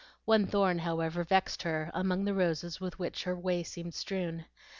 One thorn, however, vexed her, among the roses with which her way seemed strewn.